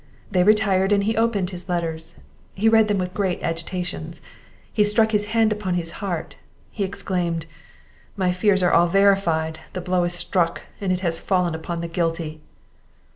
They retired, and he opened his letters. He read them with great agitations, he struck his hand upon his heart, he exclaimed, "My fears are all verified! the blow is struck, and it has fallen upon the guilty!"